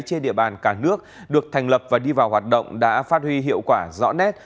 trên địa bàn cả nước được thành lập và đi vào hoạt động đã phát huy hiệu quả rõ nét